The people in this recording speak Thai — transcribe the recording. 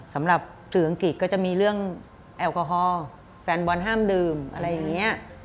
สำหรับสื่ออังกฤษก็จะมีเรื่องแอลกอฮอล์แฟนบอลห้ามดื่มอะไรอย่างนี้